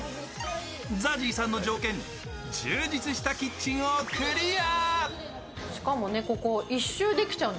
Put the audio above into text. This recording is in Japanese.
ＺＡＺＹさんの条件、充実したキッチンをクリア。